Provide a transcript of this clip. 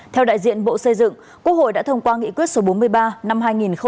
theo đại diện bộ xây dựng quốc hội đã thông qua nghị quyết số bốn mươi ba năm hai nghìn một mươi bảy